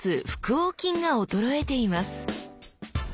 横筋が衰えています！